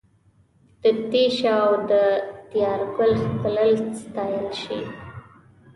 د تېشه او د یارګل ښکلل ستایل سي